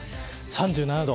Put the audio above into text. ３７度。